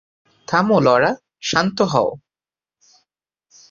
থামো লরা, শান্ত হও।